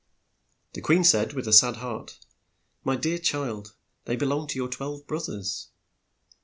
" Then the queen said, with a sad heart, "My dear child, they be long to your twelve broth ers."